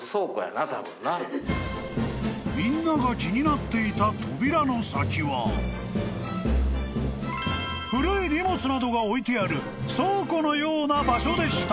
［みんなが気になっていた扉の先は古い荷物などが置いてある倉庫のような場所でした］